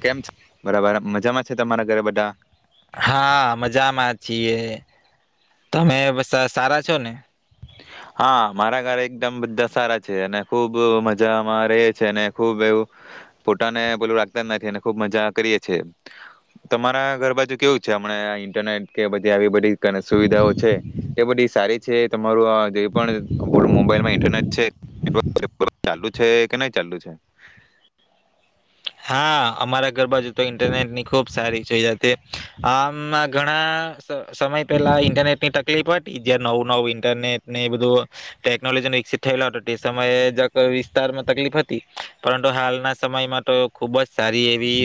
કેમ છ બરાબર મજામાં છે તમારા ઘરે બધા હા મજામાં છીએ તમે બસ સારા છો ને હા મારા ઘર એકદમ બધા સારા છે અને ખુબ મજામાં રહે છે અને ખુબ એવું પોતાને બોલું રાખતા જ નથી ખુબ મજા કરીએ છે તમારા ઘર બાજુ કેવું છે હમણા ઇન્ટરનેટ કે બધી આવી બધી ઘણે સુવિધાઓ છે તે બધી સારી છે તમારું આ જે પણ મોબાઈલમાં ઇન્ટરનેટ છે ચાલુ છે કે નહી ચાલુ છે. આ અમારા ઘર બાાજુ તો ઇન્ટરનેટની ખૂબ સારી ચાયા તે આમ મા ઘણા સમય પહેલા ઇન્ટરનેટની તકલીફ હતી જ નવું નવું ઇન્ટરનેટ ને એ બધું ટેકનોલોજી ન વિકસિત થયેલો હતો તે સમયે જક વિસ્તારમાં તકલીફ હતી પરંતુ હાલના સમયમાં ત ખુબ જ સારી એવી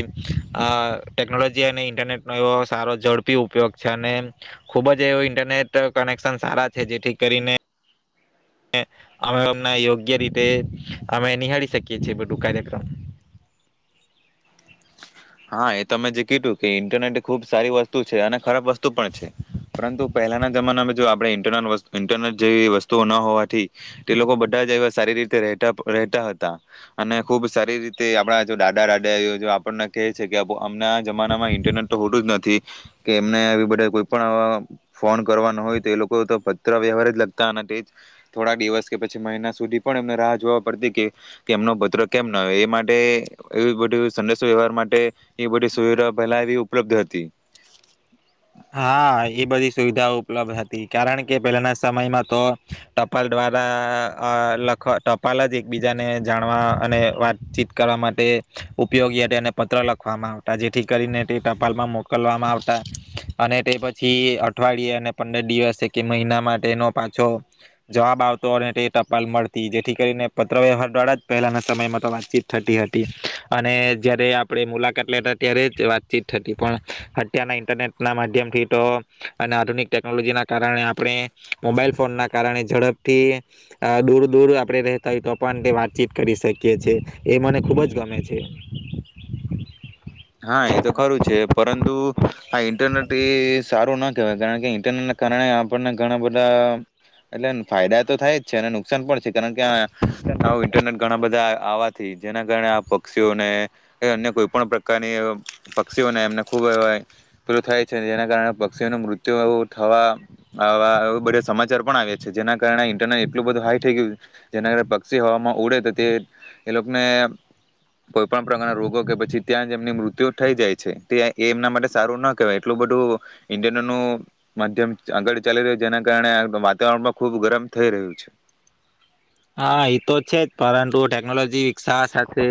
અ ટેકનોલોજી અને ઇન્ટરનેટ અનો એવો સારો ઝડપી ઉપયોગ છે અને ખુબ જ એવો ઇન્ટરનેટ કનેક્શન સારા છે જેથી કરીને અમે અમને યોગ્ય રીતે અમે નિહાળી શકીએ છીએ બધું કાર્યક્રમ હા એ તમે જે કીધું કે ઇન્ટરનેટ ખુબ સારી વસ્તુ છે અને ખરાબ વસ્તુ પણ છે પરંતુ પહેલાના જમાનામાં જો આપણે ઇન્ટર્નલ વસ ઈન્ટરનેટ જેવી વસ્તુઓ ન હોવાથી તે લોકો બધા જ એવા સારી રીતે રહેતા હતા અને ખુબ સારી રીતે આપણા જો દાડા દાડા આપણ કેય છે કે [unintelligible] અમના જમાના માં ઇન્ટરનેટ તો હોટું જ નથી કે એમને એ બધા કોઈ પણ ફોન કરવાનો હોય તો એ લોકો તો ભત્ર વ્યવહાર જ લાગતા તે થોડા દિવસ કે પછી મહિના સુધી પણ એમને રાહ જોવા પડતી કે એમનો ભત્ર કેમ ના એ માટે એ બધું સંદેશ વ્યવહાર મા ટે એ બધી સુવિધા પહેલા ઉપલબ્ધ હતી. હા એ બધી સુવિધાઓ ઉપલબ્ધ હતી કારણ કે પહેલાના સમયમાં તો ટપાલ દ્વારા અ લખ ટપાલ જ એકબીજાને જાણવા અને વાતચીત કરવા માટે ઉપયોગી અને પત્ર લખવામાં આવતા જેથી કરીને તે ટપાલમાં મોકલવામાં આવતા અને તે પછી અઠવાડિયે અને પંદર દિવસે કે મહિના માટેનો પાછો જવાબ આવતો અને તે ટપાલ મળતી જેથી કરીને પત્રવ્યવહાર દ્વારા જ પહેલાંના સમયમાં તો વાતચીત થતી હતી અને જ્યારે આપણે મુલાકાત લેતા ત્યારે જ વાતચીત થતી પણ અત્યારના ઇન્ટરનેટ ના માધ્યમથી તો અને આધુનિક ટેકનોલોજીના કારણે આપણે મોબાઈલ ફોન ના કારણે ઝડપથી અ દૂર દૂર આપણે રતા હોય તો પણ તે વાતચીત કરી શકીએ છ છે એ મને ખૂબ જ ગમે છે. હા એ તો ખરું છે પરંતુ આ ઇન્ટરનેટ એ સારું ના કેવાય કારણ કે ઈન્ટરનેટને કારણે આપણને ઘણા બધા એટલે ફાયદા તો થાય જ છે અને નુકસાન પણ છે કારણ કે આ ઇન્ટરનેટ ઘણા બધા આવાથી જેના કારણે આ પક્ષીઓને અન્ય કોઈ પણ કાર્ય ની પક્ષીઓને એમને ખૂબ પેલુ થાય છે જેના કારણે પક્ષીઓનું મૃત્યુ એ થવાવા એ બધ સમાચાર પણ આવે છે જેના કારણે ઇન્ટરનેટ એટલું બધું હાઈ થઈ ગયું જેના કાર પક્ષી હવામાં ઉડે તો તે એ લોકોને કોઈ પણ પ્રકારના રોગો કે પછી ત્યાંજ જેમની મૃત્યુ થઈ જાય છે તે એમના માટે સારું ના કહેવાય એટલું બધું ઇડનનું માધ્યમ આગળ ચાલી રહ્યું છે જેના કારણે વાતાવરણમાં ખૂબ ગરમ થઈ રહ્યું છે હા એ તો છે જ પરંતુ ટેકનોલોજી વિકસાવ સાથે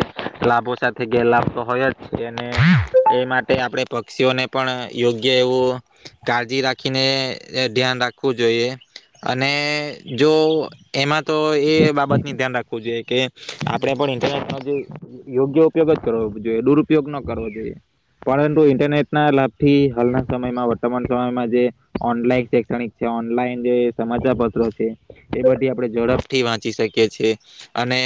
લાભો સાથે ગેરલાભ તો હોય જ છે એ માટે આપણે પક્ષીઓને પણ યોગ્ય એવું કાળજી રાખીને ધ્યાન રાખવું જોઈએ અને જો એમાં તો એ બાબતની ધ્યાન રાખવું જોઈએ કે આપણે પણ ઇન્ટરનેટનો યોગ્ય ઉપયોગ જ કરવો જોઈએ દુરુપયોગ ન કરવો જોઈએ પરંતુ ઈન્ટરનેટ ના લાભથી હાલના સમયમાં વર્તમાન સમયમાં જે ઓનલાઈન શૈક્ષણિક છે ઓનલાઈન જે સમાચાર પત્રો છે એમાંથી આપણે ઝડપ થી વાંચી શકીએ છી અને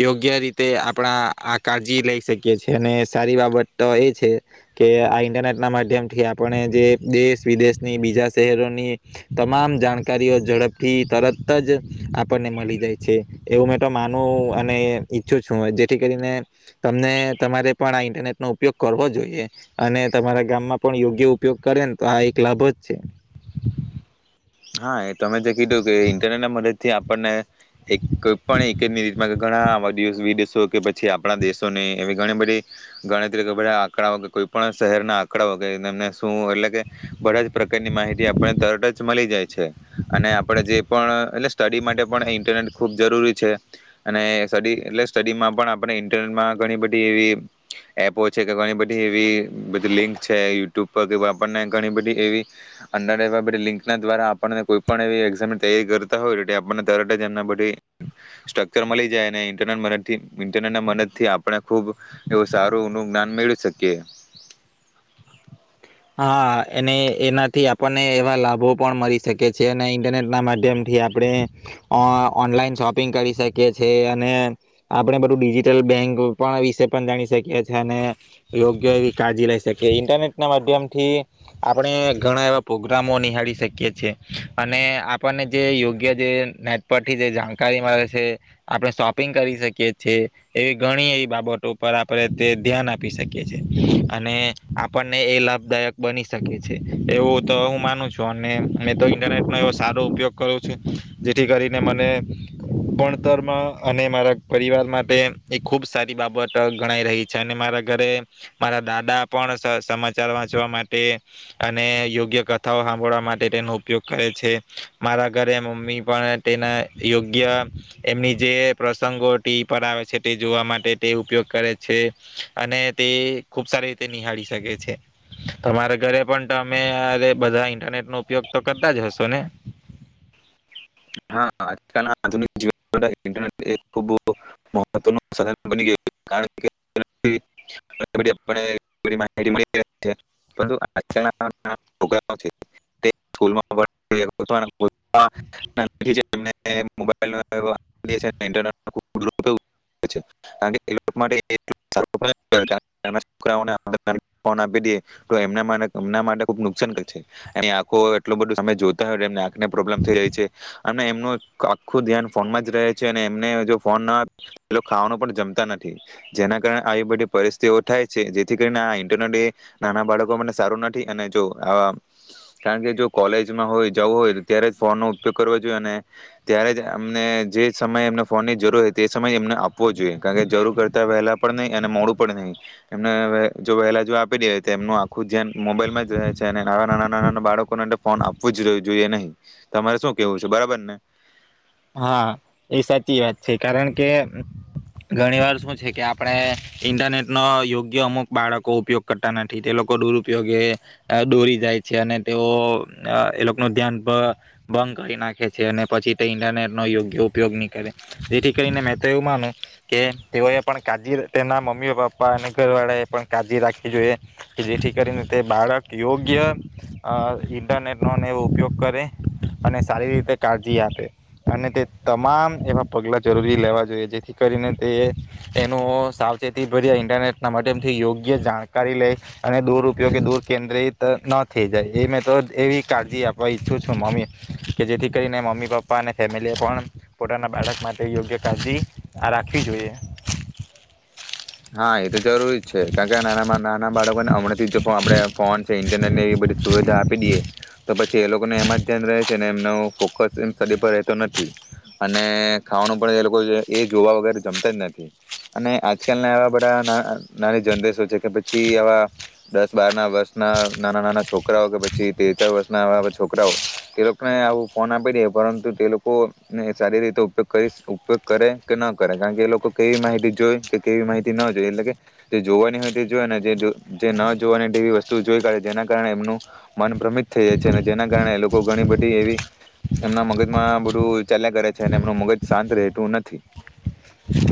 યોગ્ય રીતે આપણા આ કાળજી લઈ શકીએ છેીએ અને સારી બાબત તો એ છે કે આ ઇન્ટરનેટ ના માધ્યમથી આપણે જે દેશ વિદેશની બીજા શહેરોની તમામ જાણકારીઓ ઝડપથી તરત જ આપણને મળી જાય છે એવું મેં તો માનું અને ઈચ્છું છું જેથી કરીને તમને તમારે પણ આ ઇન્ટરનેટ નો ઉપયોગ કરવો જોઈએ અને તમારા ગામમાં પણ યોગ્ય ઉપયોગ કરેને તો આ એક લાભ જ છે. હા એ તમે જે કીધું કે ઇન્ટરનેટ મદદ થી આપણને એક કોઈ પણ એકચ મિનિટમાં ઘણા વાળ વિદેશો કે પછી આપણા દેશોને એવી ઘણી બધી ગણતરી બધા આંકડાઓ કોઈ પણ શહેરના આંકડાઓ કે એને શું એટલે કે બધા જ પ્રકારની માહિતી આપણને તરત જ મળી જાય છે. છે અને આપણે જે પણ એટલે સ્ટડી માટે પણ ઇન્ટરનેટ ખૂબ જરૂરી છે અને સ્ટડી એટલે સ્ટડીમાં પણ આપણે ઇન્ટરનેટમાં ઘણી બધી એવી એપો છે કે ઘણી બધી એવી બધી લિંક છેએ [unintelligible] આપને ઘણી બધી એવી અંડર એવી બધી લિંક ના દ્વારા આ આપણને કોઈ પણ એવી એક્ષામ ની તૈયારી કરતા હોય આપને તરત જ એમ બધી સ્ટ્રકચર મળી જાય અને ઈન્ટરનેટ ઇન્ટરનેટના મદદ થી આપને ખુબ એવું સારું ઓ નુ જ્ઞાન મેળવી શકીએ હા એને એનાથી આપણને એવા લાભો પણ મળી શકે છે અને ઇન્ટરનેટ ના માધ્યમ થી આપણે ઓનલાઈન શોપિંગ કરી શકીએ છીએ અને આપણે બધું ડિજિટલ બેંક પણ વિશે પણ જાણી શકીએ છીએ અને યોગ્ય એવી કાળજી લઈ શકીએ ઇન્ટરનેટ ના મા માધ્યમથી આપણે ઘણા એવા પ્રોગ્રામો નિહાળી શકીએ છીએ અને આપણને જે યોગ્ય જે નેટ પરથી જે જાણકારી મળે છે આપણે શોપિંગ કરી શકીએ છેએ એવી ઘણી એવી બાબતો પર આપણે તે ધ્યાન આપી શકીએ છેએ અને આપણને એ લાભ બની શકે છે એવું તો હું માનું છું અને મેં તો ઇન્ટરનેટ નો એવો સારો ઉપયોગ કરું છું જેથી કરીને મને ભણતરમ અને મારા પરિવાર માટે એ ખુબ સારી બાબત ગણાય રહી છે અને મારા ઘરે મારા દાદા પણ સમાચારમાં વા વાંચવા માટે અને યોગ્ય કથાઓ સાંભળવા માટે તેનો ઉપયોગ કરે છે મારા ઘરે મમ્મી પણ તેના યોગ્ય એમની જે પ્રસંગો ટીવી પર આવે છે તે જોવા માટે તે ઉપયોગ કરે છે અને તે ખુબ સારી રીતે નિહાળી શકે છે તમારા ઘરે પણ અમે અરે બધા ઇન્ટરનેટ નો ઉપયોગ તો કરતા જ હશો ને હા આજકાલના આધુનિક [unintelligible] નુકસાન આખો એટ બધ જોતા હોય પ્રોબ્લેમ થઈ જાય છે અને એમનું આખું ધન ફન ફોન ખાવા પણ જમતા નથી જેના કારણે આવી બધી પરિસ્થિતિઓ થાય છે જેથી કરીને આ ઇન્ટરનેટ એ નાના બાળકો માટે સારું નથી અને જો આ કારણ કે જો કોલેજમાં હોય જવું હોય તો ત્યારે ફોન નો ઉપયોગ કરવો જોઈએ અને ત્યારે જ અમને જે સમય એમને ફોનની જરૂર હોય તે સમય એમને આપવો જોઈએ કારણ કે જરૂર કરતા વહેલા પણ નહીિ અને મોડું પણ નહી એમને વહેલા જો આપી દે તો એમનું આખું જ્યાન મોબાઈલમાં જ રહે છે અને નાવા નાના નાના બાળકોને ફોન આપવું જ જો જોઈએ નહીં તમારે શું કેવું છે બરાબર ને હા એ સાચી વાત છે કારણ કે ઘણી વાર શું છે કે આપણે ઇન્ટરનેટ નો યોગ્ય અમુક બાળકો ઉપયોગ કરતા નથી તે લોકો દુરુપયોગે દોરી જાય છે અને તેઓ એ લોકો નુ ધ્યાન ભંગ કરી નાખે છે અને પછી તે ઇન્ટરનેટનો યોગ્ય ઉપયોગ નહીં કરે જેથી કરીને મેં તો એવું માનું કે તેઓએ પણ કાળજી તેમના મમ્મી પપ્પા અને ઘરવાળાએ પણ કાળજી રાખવી જોઈએ કે જેથી કરીને તે બાળક યોગ્ય ઇન્ટરનેટનોને એવો ઉપયોગ કરે અને સારી રીતે કાળજી આપે અને તે તમામ એવા પગલા જરૂરી લેવા જોઈએ જેથી કરીને તે તેનું સાવચેતી ભ્યા ઇન્ટરનેટ ના માધ્યમથી યોગ્ય જાણકારી લઈ અને દુરપયોગ દૂર કેન્દ્રિત ન થઈ જાય એ મેં તો એવી કાળજી આપવા ઈચ્છું છું મમ્મી કે જેથી કરીને મમ્મી પ પપ્પા અને ફેમિલીએ પણ પોતાના બાળક માટે યોગ્ય કાળજી રાખવી જોઈએ હા એ તો જરૂરી છે કારણ કે નસ નાના બાળકોને હમણાં થી આપણે ફોન છે ઇન્ટરનેટ ને એવી બધી સુવિધા આપી દઈએ તો પ છી એ લોકોને એમાં જ ધ્યાન રહે છે એમનો ફોકસ એ સ્ટડી પર રહેતો નથી અને ખાવાનું પણ એ લોકો એ જોવા વગેરે જમતા જ નથી અને આજ કાલ ના આવા બધા નાની જનરેશો છે કે પછી આવા દસ બાર ના વર્ષ ના નાના નાના છોકરાઓ કે પછી તેર ચાર વર્ષ ના આવા છોકરાઓ તે લોકોને આવું ફોન આપી દે પરંતુ તે લોકો ને સારી રીતે ઉપયોગ કરી ઉપયોગ કરે કે ન કરે કારણ કે એ લોકો કેવી માહિતી જોઈ કેવી માહિતી ન જોઈ એટલે કે જે જોવાની હોય તે જોને જે ન જોવાનીવી વસ્તુ જોઈ કઢે જેના કારણે એમનું મન ભ્રમિત થઈ જાય છે જેના કારણે લોકો ઘણી બધી એવી એમના મગજમાં બધું ચાલ્યા કરે છે અને એમનું મગજ શાંત રહેતું નથી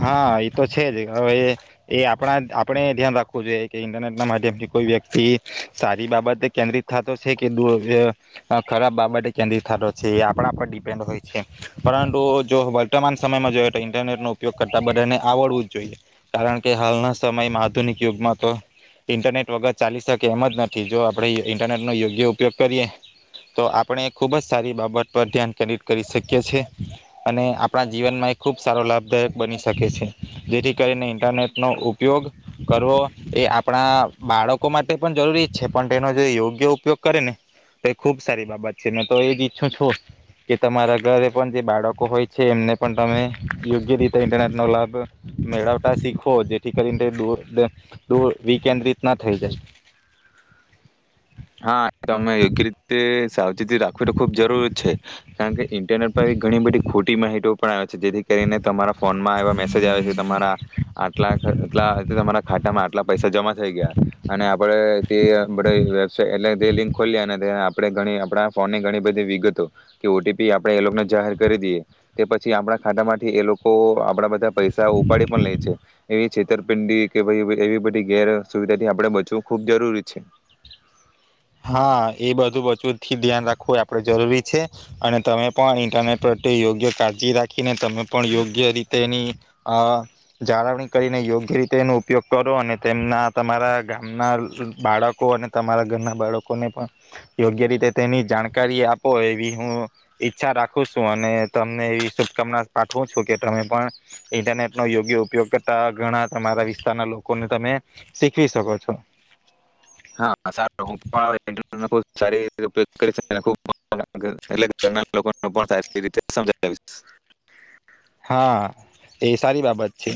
હા એ તો છે જ હવે એ આપણા આપણે ધ્યાન રાખવું જોઈએ કે ઇન્ટરનેટ ના માધ્યમથી કોઈ વ્યક્તિ સારી બાબતે કેન્દ્રિત થતો છે કે ખરાબ બાબતે કેન્દ્રિત થતો છે એ આપણા પર ડિપેન્ડ હોય છે પરંતુ જો વર્તમાન સમયમાં જોઈએ તો ઇન્ટરનેટ ની ઉ ઉપયોગ કરતાં બધાને આવડવું જ જોઈએ કારણ કે હાલના સમયમાં આધુનિક યુગમાં તો ઇન્ટરનેટ વગર ચાલી શકે એમ જ નથી જો આપણે ઇન્ટરનેટનો યોગ્ય ઉપયોગ કરીએ તો આપણે ખૂબ જ સારી બાબત પર ધ્યાન કેન્દ્રિત કરી શકીએ છીએ અને આપણા જીવનમાં એ ખૂબ સારો લાભદાયક બની શકે છે, જેથી કરીને ઇન્ટરનેટનો ઉપયોગ કરવો એ આપણા બાળકો માટે પણ જરૂરી છે, પણ તેનો જે યોગ્ય ઉપયોગ કરે ને તો એ ખૂબ સારી બાબત છે. મેં તો એ જ ઈચ્છું છું, કે તમારા ઘરે પણ જે બાળકો હોય છે, એમને પણ તમે યોગ્ય રીતે ઇન્ટરનેટનો લાભ મેળવતા શીખો, જેથી કરીને વિકેન્દ્રિત ના થઈ જાય. હા, તો અમે યોગ્ય રીતે સાવચેતી રાખવી તો ખુબ જરૂર છે, કારણકે ઇન્ટરનેટ પર ઘણી બધી ખોટી માહિતી પણ આવે જેથી કરીને તમારા ફોનમાં એવા મેસેજ આવે છે, તમારા આટલા આટલા તમારા ખાતામાં આટલા પૈસા જમા થઈ ગયા અને આપડે જે બધો છે એટલે જે લિંક ખોલ્યા અને તે આપણે ઘણી આપડા ફોનની ઘણી બધી વિગતો કે ઓ ટી પી આપડે એ લોકોને જાહેર કરી દઈએ, તે પછી આપડા ખાતામાંથી એ લોકો આપડા બધા પૈસા ઉપાડી પણ લે છે, એવી છેતરપિંડી કે એવી બધી ગેર સુવિધાથી આપડે બચવું ખૂબ જરૂરી છે. હા, એ બધું બચુંથી ધ્યાન રાખવું આપડે જરૂરી છે અને તમે પણ ઇન્ટરનેટ પ્રત્યે યોગ્ય કાળજી રાખીને, તમે પણ યોગ્ય રીતે એની અહ જાળવણી કરીને યોગ્ય રીતે એનો ઉપયોગ કરો અને તેમના તમારા ગામના બાળકો અને તમારા ઘરના બાળકોને પણ યોગ્ય રીતે તેની જાણકારી આપો, એવી હું ઈચ્છા રાખું છું અને તમને એવી શુભકામના પાઠવું છું, કે તમે પણ ઇન્ટરનેટ નો યોગ્ય ઉપયોગ કરતા ઘણા તમારા વિસ્તારના લોકોને તમે શીખી શકો છો. હા. [unintelligible] સારીતેયો ઉપયોગ કરી શકું એટલે ઘરના લોકોને પણ સારી રીતે સમજાવીશ હા, એ સારી બાબત છે.